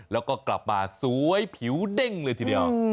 แล้วก็กลับมาสวยผิวเด้งเลยทีเดียว